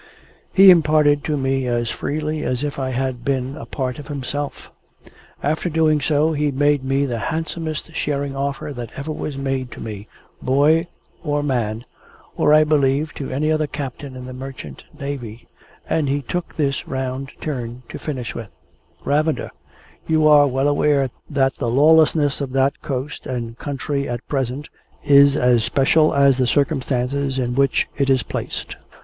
He imparted it to me as freely as if I had been a part of himself. After doing so, he made me the handsomest sharing offer that ever was made to me, boy or man or I believe to any other captain in the Merchant Navy and he took this round turn to finish with: "Ravender, you are well aware that the lawlessness of that coast and country at present, is as special as the circumstances in which it is placed.